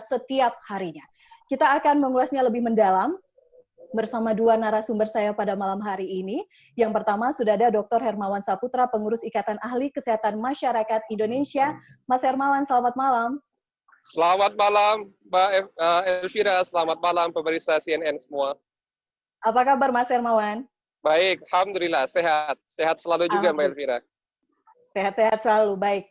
sehat sehat selalu baik